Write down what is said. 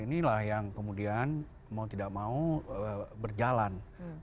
inilah yang kemudian mau tidak mau berjalan